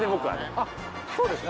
あっそうですね。